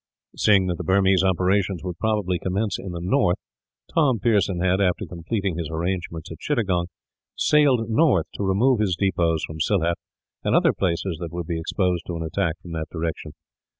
Seeing that the Burmese operations would probably commence in the north, Tom Pearson had, after completing his arrangements at Chittagong, sailed north to remove his depots from Sylhet, and other places that would be exposed to an attack from that direction.